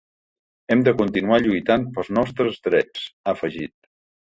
Hem de continuar lluitant pels nostres drets, ha afegit.